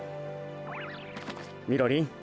みろりん。